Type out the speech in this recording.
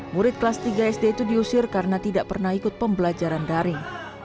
murid kelas tiga sd itu diusir karena tidak pernah ikut pembelajaran daring